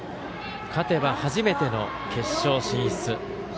勝てば初めての決勝進出。